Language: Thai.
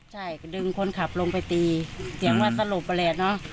ใช่ก็ดึงคนขับลงไปตีเสียงว่าสลบนั่นแหละเนอะ